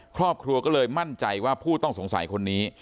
ครอบครัวก็เลยมั่นใจว่าผู้ต้องสงสัยคนนี้